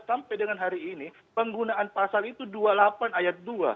dua ribu enam belas sampai dengan hari ini penggunaan pasal itu dua puluh delapan ayat dua